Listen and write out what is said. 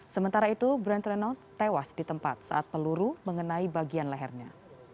sementara itu brand renold tewas di tempat saat peluru mengenai bagian lehernya